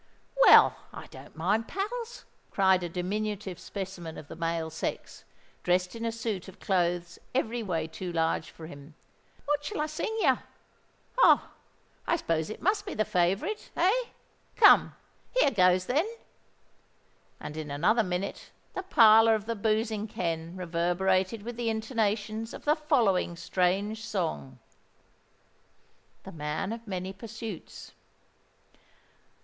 "Well, I don't mind, pals," cried a diminutive specimen of the male sex, dressed in a suit of clothes every way too large for him. "What shall I sing yer? Oh! I s'pose it must be the favourite—eh? Come—here goes, then." And in another minute the parlour of the boozing ken reverberated with the intonations of the following strange song:— THE MAN OF MANY PURSUITS.